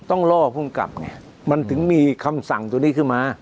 ต้องล่อภูมิกลับไงมันถึงมีคำสั่งตัวนี้ขึ้นมา